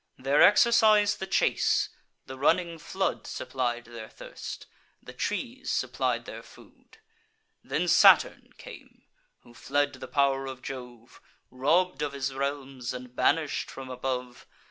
Their exercise the chase; the running flood Supplied their thirst, the trees supplied their food. Then Saturn came, who fled the pow'r of Jove, Robb'd of his realms, and banish'd from above.